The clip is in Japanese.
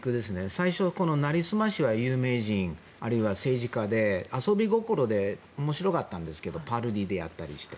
最初、なりすましは有名人、あるいは政治家で遊び心で面白かったんですがパロディーでやったりして。